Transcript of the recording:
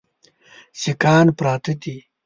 سیکهان پراته دي.